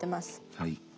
はい。